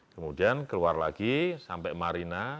kemudian keluar lagi sampai marina